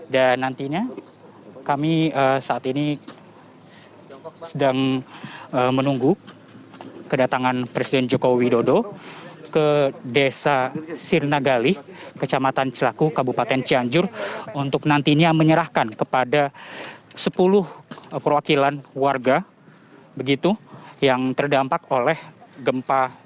dan nantinya kami saat ini sedang menunggu kedatangan presiden joko widodo ke desa sirna gali kecamatan celaku kabupaten cianjur untuk nantinya menyerahkan kepada sepuluh perwakilan warga begitu yang terdampak oleh gempa